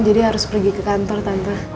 jadi harus pergi ke kantor tante